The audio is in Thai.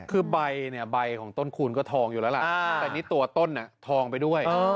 คือใบเนี่ยใบของต้นคูณก็ทองอยู่แล้วล่ะแต่นี่ตัวต้นทองไปด้วย